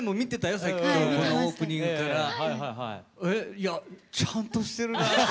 いやちゃんとしてるなって。